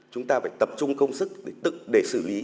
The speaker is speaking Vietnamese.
chúng ta phải tập trung công sức để tự để xử lý